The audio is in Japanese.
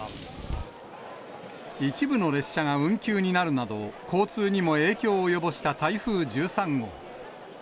一部の列車が運休になるなど、交通にも影響を及ぼした台風１３号。